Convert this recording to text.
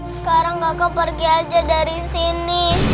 sekarang kakak pergi aja dari sini